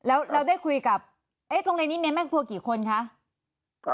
อ่าแล้วได้คุยกับตรงนี้แม่ครัวกี่คนคะ